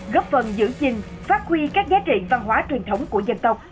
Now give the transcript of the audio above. góp phần giữ gìn phát huy các giá trị văn hóa truyền thống của dân tộc